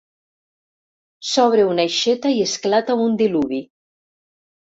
S'obre una aixeta i esclata un diluvi.